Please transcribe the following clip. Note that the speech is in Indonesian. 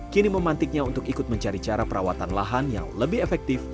kini memantiknya untuk ikut mencari cara perawatan lahan yang lebih efektif